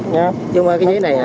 nhưng mà cái giấy này hả